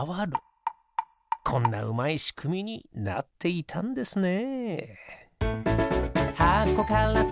こんなうまいしくみになっていたんですね。